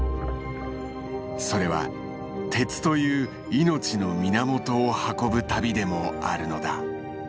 それは鉄という命の源を運ぶ旅でもあるのだ。